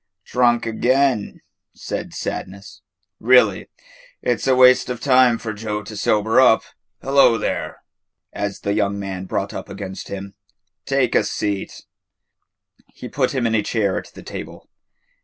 "Drunk again," said Sadness. "Really, it 's a waste of time for Joe to sober up. Hullo there!" as the young man brought up against him; "take a seat." He put him in a chair at the table.